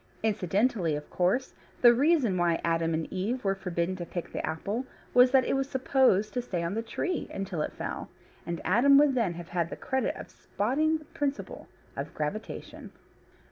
Incidentally, of course, the reason why Adam and Eve were forbidden to pick the apple was that it was supposed to stay on the tree until it fell, and Adam would then have had the credit of spotting the principle of gravitation.